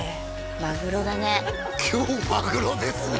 マグロだね「今日マグロですね」